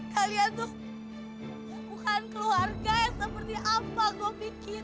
kalian tuh bukan keluarga yang seperti apa gue mikirin